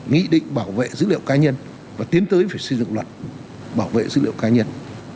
nghị định bảo vệ dữ liệu cá nhân và tiến tới phải xây dựng luật bảo vệ dữ liệu cá nhân